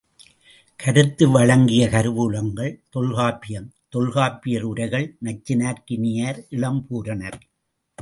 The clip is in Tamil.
கருத்து வழங்கிய கருவூலங்கள், தொல்காப்பியம் தொல்காப்பியர் உரைகள் நச்சினார்க்கினியர் இளம்பூரணர்.